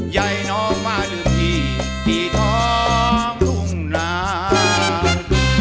ใหญ่น้องมาลืมพี่ที่ท้องทุ่งนา